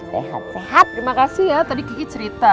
sehat sehat terima kasih ya tadi kiki cerita